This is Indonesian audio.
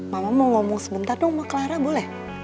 mama mau ngomong sebentar dong sama clara boleh